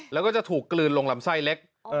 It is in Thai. แล้วก็จะถูกกลืนลงลำไส้เล็ก